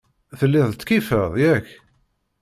Telliḍ tkeyyfeḍ, yak?